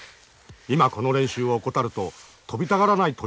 今この練習を怠ると飛びたがらない鳥になってしまう。